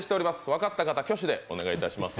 分かった方、挙手でお願いいたします。